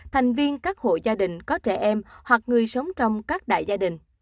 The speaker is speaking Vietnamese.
thành viên các hộ gia đình có trẻ em hoặc người sống trong các đại gia đình